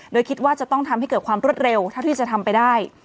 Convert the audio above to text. โดยคิดว่าจะต้องทำให้เกิดความรวดเร็วเท่าที่จะทำไปได้